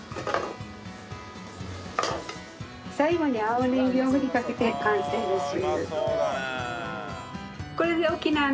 最後に青ねぎを振りかけて完成です。